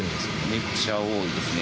めっちゃ多いですね。